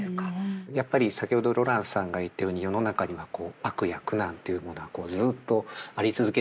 やっぱり先ほどロランスさんが言ったように世の中には悪や苦難というものがずっとあり続けるのはなぜか。